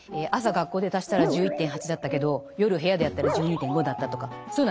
学校で足したら１１．８だったけど夜部屋でやったら１２．５だったとかそういうのはないわけです。